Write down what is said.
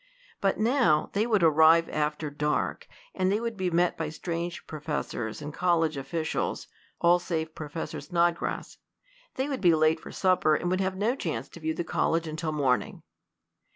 But now they would arrive after dark, and they would be met by strange professors and college officials (all save Professor Snodgrass), they would be late for supper, and would have no chance to view the college until morning.